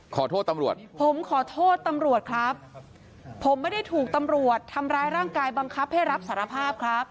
ขอโทษตำรวจผมขอโทษตำรวจครับผมไม่ได้ถูกตำรวจทำร้ายร่างกายบังคับให้รับสารภาพครับ